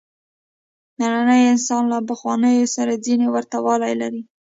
نننی انسان له پخوانیو سره ځینې ورته والي لري.